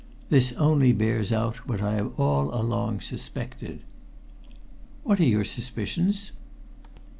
This only bears out what I have all along suspected." "What are your suspicions?"